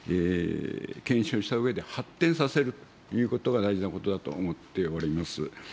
検証したうえで、発展させるということが大事なことだと思っております。